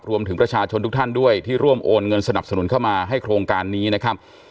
รวมถึงประชาชนทุกท่านด้วยที่ร่วมโอนเงินสนับสนุนเข้ามาให้โครงการนี้นะครับ